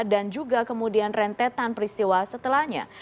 dan juga kemudian rentetan peristiwa setelahnya